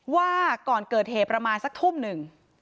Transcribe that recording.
ว่าก่อนเกิดเหตุประมาณสักทุ่มหนึ่ง